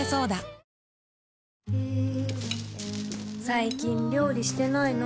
最近料理してないの？